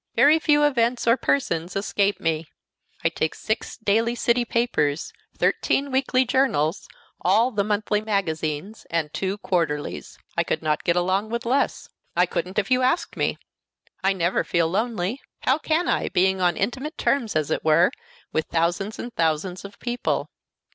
Very few events or persons escape me. I take six daily city papers, thirteen weekly journals, all the monthly magazines, and two quarterlies. I could not get along with less. I couldn't if you asked me. I never feel lonely. How can I, being on intimate terms, as it were, with thousands and thousands of people?